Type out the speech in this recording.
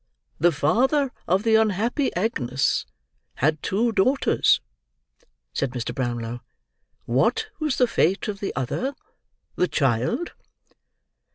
"The father of the unhappy Agnes had two daughters," said Mr. Brownlow. "What was the fate of the other—the child?"